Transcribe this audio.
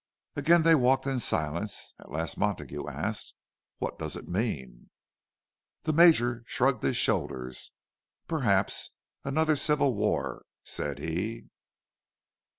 And again they walked in silence. At last Montague asked, "What does it mean?" The Major shrugged his shoulders. "Perhaps another civil war," said he.